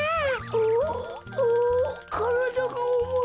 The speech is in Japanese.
うううからだがおもい。